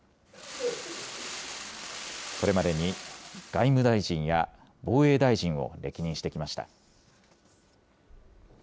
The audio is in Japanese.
これまでに外務大臣や防衛大臣を歴任してきました。